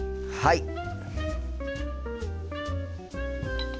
はい！